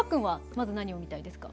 まず何を見たいですか？